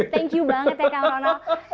thank you banget ya kang ronald